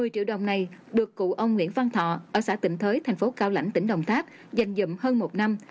một mươi triệu đồng này được cụ ông nguyễn văn thọ ở xã tịnh thới thành phố cao lãnh tỉnh đồng tháp dành dụng hơn một năm